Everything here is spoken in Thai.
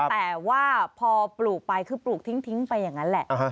แต่ว่าพอปลูกไปคือปลูกทิ้งไปอย่างนั้นแหละ